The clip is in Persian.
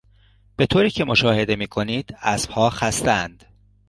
به طوریکه مشاهده میکنید اسبها خستهاند.